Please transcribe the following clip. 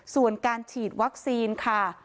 ส่วนการฉีดวัคซีนค่ะ